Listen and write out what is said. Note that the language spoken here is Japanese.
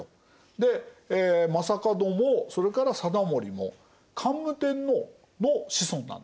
で将門もそれから貞盛も桓武天皇の子孫なんですね。